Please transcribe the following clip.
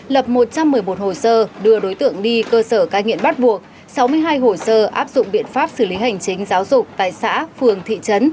lập một trăm một mươi một hồ sơ đưa đối tượng đi cơ sở cai nghiện bắt buộc sáu mươi hai hồ sơ áp dụng biện pháp xử lý hành chính giáo dục tại xã phường thị trấn